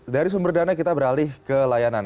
dari sumber dana kita beralih ke layanan